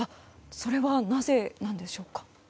それはなぜなんでしょうか？